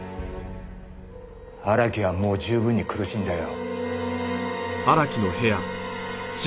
荒木はもう十分に苦しんだよ。